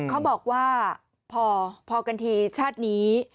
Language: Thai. เขาบอกว่าพอกันทีชาตินี้